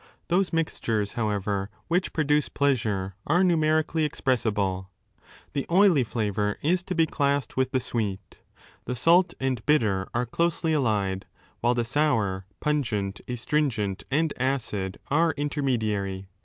Those mixtures, however, which produce pleasure are numerically expressible. The oily flavour ifl to be classed with the sweet; the salt and bitter are closely allied, while the sour, pungent, astringent, and 18 acid are intermediary.